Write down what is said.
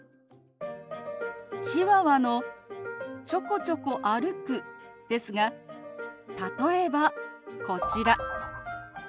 チワワの「ちょこちょこ歩く」ですが例えばこちら。